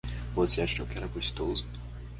Você achou que era gostoso?